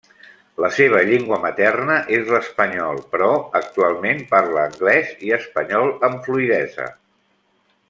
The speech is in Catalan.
La seva llengua materna és l'espanyol, però actualment parla anglès i espanyol amb fluïdesa.